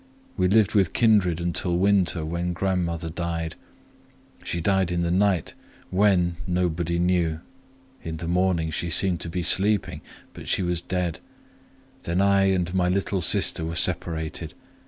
We lived with kindred until winter, when grandmother died. She died in the night,—when, nobody knew: in the morning she seemed to be sleeping, but she was dead. Then I and my little sister were separated.